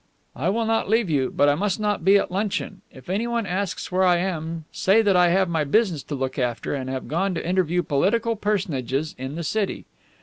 "I will not leave you. But I must not be at luncheon. If anyone asks where I am, say that I have my business to look after, and have gone to interview political personages in the city."